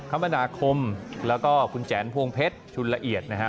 คมนาคมแล้วก็คุณแจนพวงเพชรชุนละเอียดนะฮะ